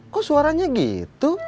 kok suaranya gitu